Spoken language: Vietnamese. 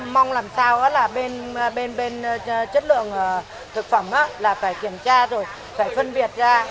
mong làm sao là bên chất lượng thực phẩm là phải kiểm tra rồi phải phân biệt ra